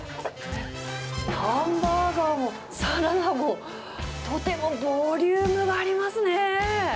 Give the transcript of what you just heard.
ハンバーガーもサラダも、とてもボリュームがありますね。